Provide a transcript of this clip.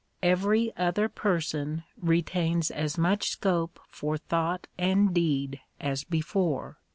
Every other person retains as much scope for thought and deed as before.